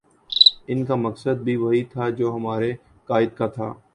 ان کا مقصد بھی وہی تھا جو ہمارے قاہد کا تھا